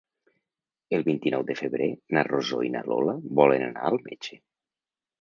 El vint-i-nou de febrer na Rosó i na Lola volen anar al metge.